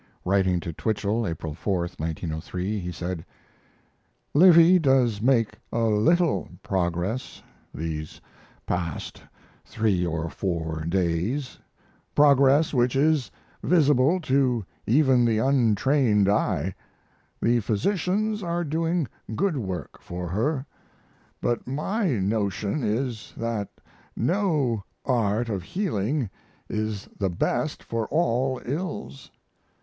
Writing to Twichell April 4, 1903, he said: Livy does make a little progress these past 3 or 4 days, progress which is visible to even the untrained eye. The physicians are doing good work for her, but my notion is, that no art of healing is the best for all ills.